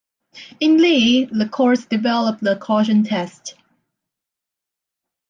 In "Lee" the Court developed the coercion test.